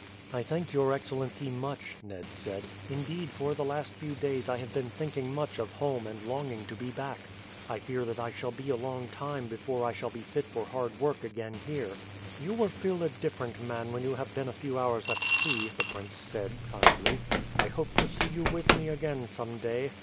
"I thank your excellency much," Ned said. "Indeed for the last few days I have been thinking much of home and longing to be back. I fear that I shall be a long time before I shall be fit for hard work again here." "You will feel a different man when you have been a few hours at sea," the prince said kindly. "I hope to see you with me again some day.